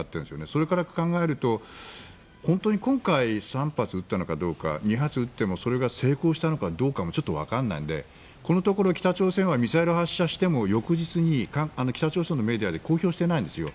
それから考えると本当に今回３発打ったのかどうか２発打ってもそれが成功したのかどうかもちょっとわからないのでこのところ北朝鮮はミサイルを発射しても翌日に北朝鮮のメディアで公表していないんですよ。